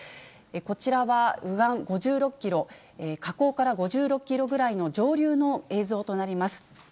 こちらは右岸５６キロ、河口から５６キロぐらいの上流の映像となります。